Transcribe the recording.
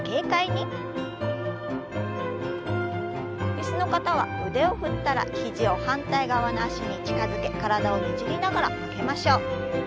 椅子の方は腕を振ったら肘を反対側の脚に近づけ体をねじりながら曲げましょう。